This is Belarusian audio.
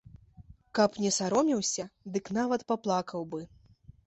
Каб не саромеўся, дык нават паплакаў бы.